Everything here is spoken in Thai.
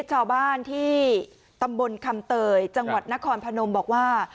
ชาวบ้านที่ตำบลคำเตยจังหวัดนครพนมบอกว่า